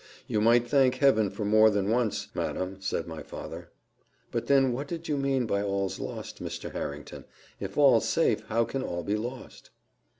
"You might thank Heaven for more than once, madam," said my father. "But then what did you mean by all's lost, Mr. Harrington; if all's safe, how can all be lost?"